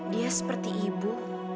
dia seperti ibu